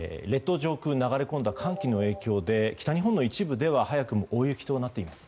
上空流れ込んだ寒気の影響で北日本の一部では早くも大雪となっています。